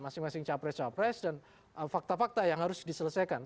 masing masing capres capres dan fakta fakta yang harus diselesaikan